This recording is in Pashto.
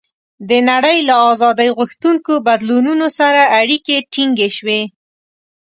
د نړۍ له آزادۍ غوښتونکو بدلونونو سره اړیکې ټینګې شوې.